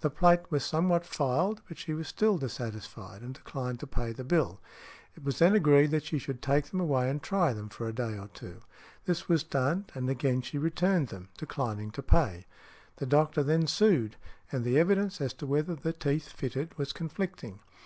The plate was somewhat filed, but she was still dissatisfied, and declined to pay the bill. It was then agreed that she should take them away and try them for a day or two; this was done, and again she returned them, declining to pay. The doctor then sued, and the evidence as to whether the teeth fitted was conflicting.